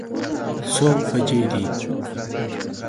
څو بجې دي؟